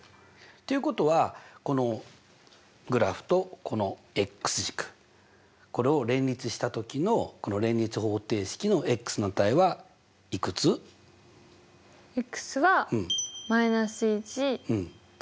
ということはこのグラフとこの軸これを連立した時のこの連立方程式のの値はいくつ？は−１と３です。